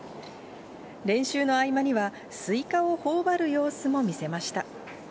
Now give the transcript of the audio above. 練習の合間には、スイカをほおばる様子も見せました。